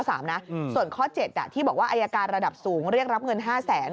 ส่วนข้อ๗ที่บอกว่าอายการระดับสูงเรียกรับเงิน๕แสน